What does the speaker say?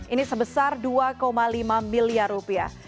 ini sebesar dua lima miliar rupiah